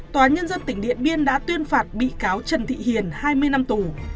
tòa nhân dân tỉnh điện biên đã tuyên phạt bị cáo trần thị hiền hai mươi năm tù